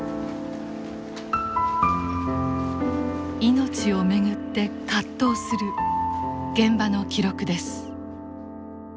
命を巡って葛藤する現場の記録です。